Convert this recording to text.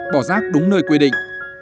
bỏ rác đúng nơi quy định